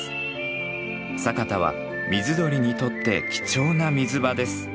佐潟は水鳥にとって貴重な水場です。